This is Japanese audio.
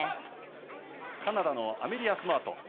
カナダのアメリア・スマート。